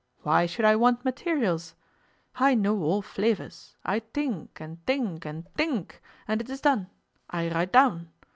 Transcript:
Why should I want materials? I know all flavours. I tink, and tink, and tink, and it is done. I write down.